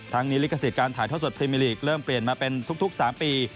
นี้ลิขสิทธิ์การถ่ายทอดสดพรีมิลีกเริ่มเปลี่ยนมาเป็นทุก๓ปี